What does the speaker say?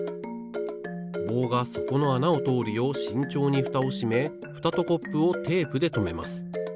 棒がそこのあなをとおるようしんちょうにフタをしめフタとコップをテープでとめます。